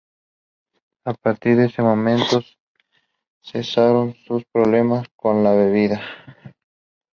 A partir de ese momento cesaron sus problemas con la bebida.